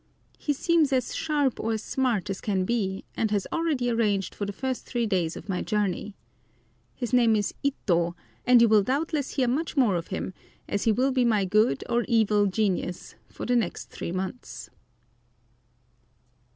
He seems as sharp or "smart" as can be, and has already arranged for the first three days of my journey. His name is Ito, and you will doubtless hear much more of him, as he will be my good or evil genius for the next three months.